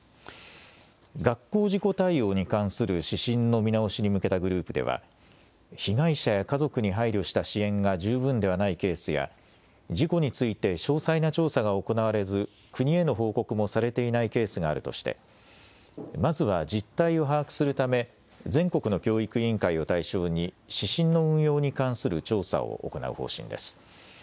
学校事故対応に関する指針の見直しに向けたグループでは被害者や家族に配慮した支援が十分ではないケースや事故について詳細な調査が行われず国への報告もされていないケースがあるとしてまずは実態を把握するため全国の教育委員会を対象に指針の運用に関する調査を行う方針です。